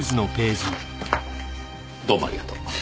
どうもありがとう。